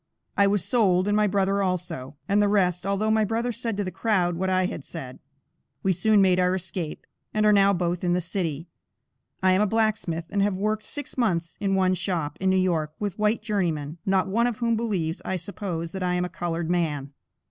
"I was sold, and my brother also, and the rest, although my brother said to the crowd what I had said. We soon made our escape, and are now both in the city. I am a blacksmith, and have worked six months in one shop, in New York, with white journeymen, not one of whom believes, I suppose, that I am a colored man."